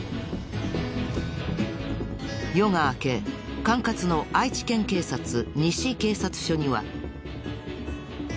夜が明け管轄の愛知県警察西警察署には。